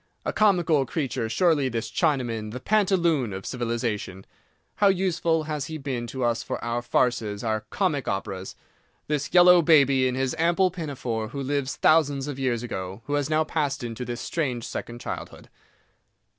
A comical creature, surely, this Chinaman, the pantaloon of civilization. How useful he has been to us for our farces, our comic operas! This yellow baby, in his ample pinafore, who lived thousands of years ago, who has now passed into this strange second childhood.